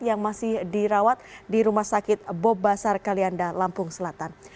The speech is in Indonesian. yang masih dirawat di rumah sakit bob basar kalianda lampung selatan